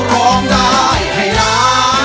ร้องได้ให้ล้าน